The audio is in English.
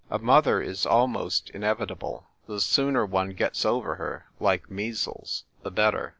A mother is almost inevitable ; the sooner one gets over her, like measles, the better.